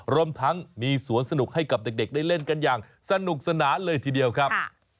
รวมทั้งมีสวนสนุกให้กับเด็กได้เล่นกันอย่างสนุกสนานเลยทีเดียวครับ